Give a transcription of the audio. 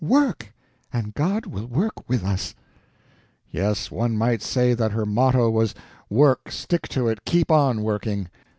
work! and God will work with us!" Yes, one might say that her motto was "Work! stick to it; keep on working!"